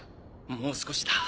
もう少しだ。